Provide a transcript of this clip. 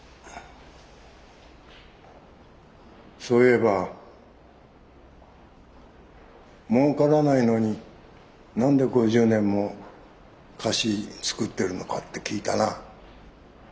そういえば「もうからないのに何で５０年も菓子作ってるのか」って聞いたな。